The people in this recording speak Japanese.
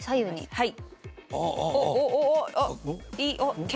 はい。